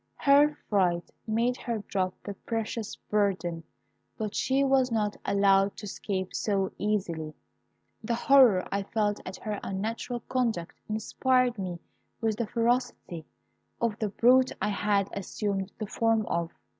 Her fright made her drop the precious burden, but she was not allowed to escape so easily; the horror I felt at her unnatural conduct inspired me with the ferocity of the brute I had assumed the form of.